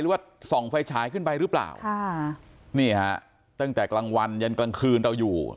ว่าส่องไฟฉายขึ้นไปหรือเปล่าค่ะนี่ฮะตั้งแต่กลางวันยันกลางคืนเราอยู่